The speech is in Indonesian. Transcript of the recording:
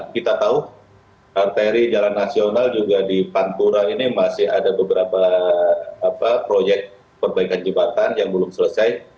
kita tahu arteri jalan nasional juga di pantura ini masih ada beberapa proyek perbaikan jembatan yang belum selesai